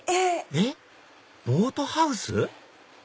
えっボートハウス？